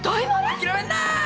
諦めんな！